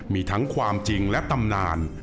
มีทั้งความจริงและตำนาน